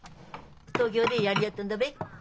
東京でやり合ったんだべ？